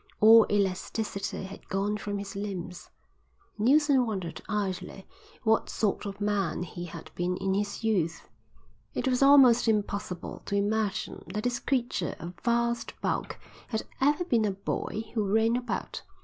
All elasticity had gone from his limbs. Neilson wondered idly what sort of man he had been in his youth. It was almost impossible to imagine that this creature of vast bulk had ever been a boy who ran about.